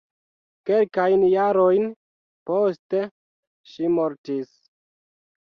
Kelkajn jarojn poste ŝi mortis.